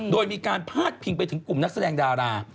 โดยมีการพาดพิงไปถึงกลุ่มนักแสดงดารา